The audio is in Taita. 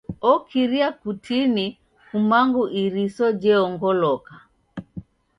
Okiria kutini kumangu iriso jeongoloka.